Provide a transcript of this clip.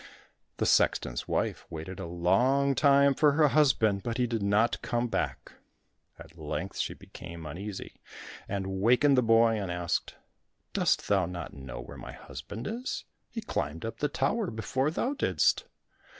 The sexton's wife waited a long time for her husband, but he did not come back. At length she became uneasy, and wakened the boy, and asked, "Dost thou not know where my husband is? He climbed up the tower before thou didst."